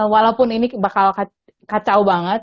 walaupun ini bakal kacau banget